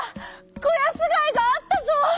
こやすがいがあったぞ！」。